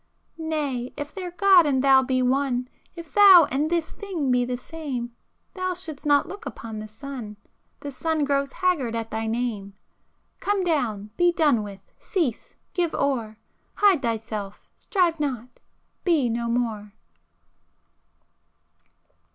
[p 408] Nay, if their God and thou be one If thou and this thing be the same, Thou should'st not look upon the sun, The sun grows haggard at thy name! Come down, be done with, cease, give o'er, Hide thyself, strive not, be no more!"